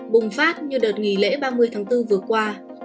bùng phát như đợt nghỉ lễ ba mươi tháng bốn vừa qua